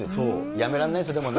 やめられないですよね、でもね。